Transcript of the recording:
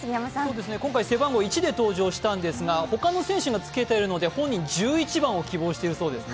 今回、背番号１で登場したんですが、他の選手がつけているので、本人は１１番を希望しているそうですね。